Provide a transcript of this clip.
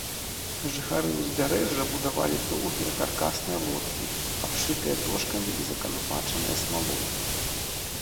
Жыхары ўзбярэжжа будавалі доўгія каркасныя лодкі, абшытыя дошкамі і заканапачаныя смалой.